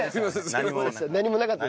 何もなかったです。